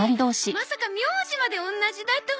まさか名字まで同じだとは。